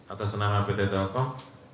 atas nama pt telkom